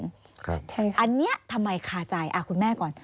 ครับใช่ค่ะอันนี้ทำไมคาใจคุณแม่ก่อน